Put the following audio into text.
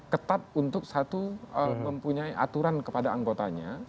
ketat untuk satu mempunyai aturan kepada anggotanya